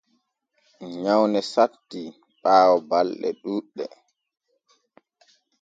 Nyawne satti ɓaawo balɗe ɗuuɗɗe.